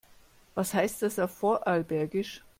Was heißt das auf Vorarlbergisch?